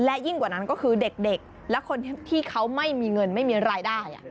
และยิ่งกว่านั้นก็คือเด็กและคนที่เขาไม่มีเงินไม่มีรายได้